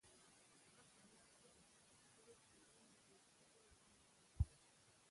هغه په ملا کړوپ او سترګو ړوند و، عمر ورته وویل: